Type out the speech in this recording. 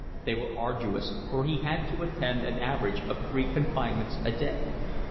They were arduous, for he had to attend on an average three confinements a day.